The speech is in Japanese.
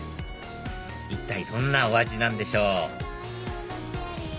一体どんなお味なんでしょう？